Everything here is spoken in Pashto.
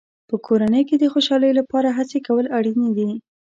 په کورنۍ کې د خوشحالۍ لپاره هڅې کول اړینې دي.